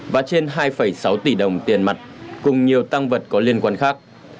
và trên hai sáu tỷ đồng tiền mặt cùng nhiều tăng vật có liên quan khác